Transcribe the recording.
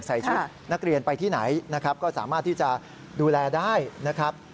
ใส่ชุดนักเรียนไปที่ไหนนะครับก็สามารถที่จะดูแลได้นะครับ